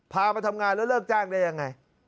มาทำงานแล้วเลิกจ้างได้ยังไง